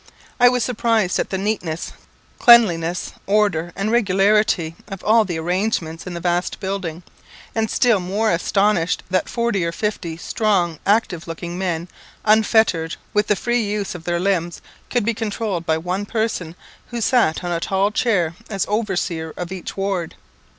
I was surprised at the neatness, cleanliness, order, and regularity of all the arrangements in the vast building, and still more astonished that forty or fifty strong active looking men, unfettered, with the free use of their limbs, could be controlled by one person, who sat on a tall chair as overseer of each ward.